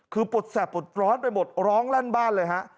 คือปวดแสบปวดร้อนไปหมดร้องลั่นบ้านเลยฮะ